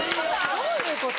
・どういうこと？